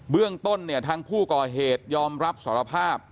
เรื่องต้นเนี่ยทางผู้ก่อเหตุยอมรับสารภาพ